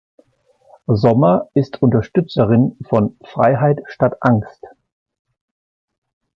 Sommer ist Unterstützerin von "Freiheit statt Angst".